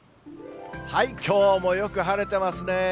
きょうもよく晴れてますね。